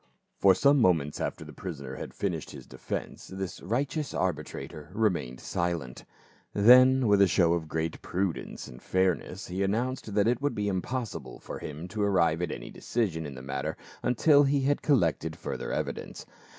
For some moments after the prisoner had finished his defence this righteous arbitrator remained silent, then with a show of great prudence and fairness, he * See Acts x. 1 48. PA UL AND FELIX. 409 announced that it would be impossible for him to arrive at any decision in the matter until he had col lected further evidence.